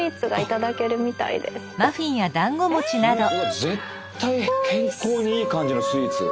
絶対健康にいい感じのスイーツ。